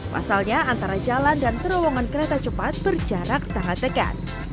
pasalnya antara jalan dan terowongan kereta cepat berjarak sangat dekat